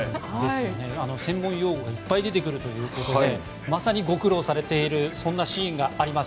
専門用語がいっぱい出てくるということでまさにご苦労されているそんなシーンがあります。